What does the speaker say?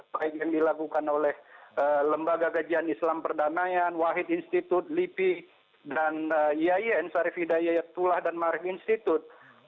baik yang dilakukan oleh lembaga gajian islam perdamaian wahid institute lipi dan yaye n sarif hidayatullah dan mari institute